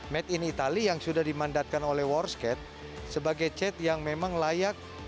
made in itali yang sudah dimandatkan oleh war skate sebagai chat yang memang layak